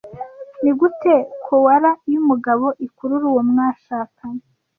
Nigute koala yumugabo ikurura uwo mwashakanye